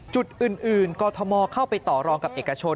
จุดอื่นกอทมเข้าไปต่อรองกับเอกชน